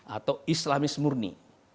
atau islamis murni